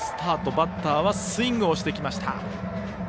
バッターはスイングをしてきました。